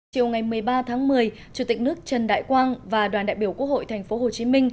chiều ngày một mươi ba tháng một mươi chủ tịch nước trần đại quang và đoàn đại biểu quốc hội tp hcm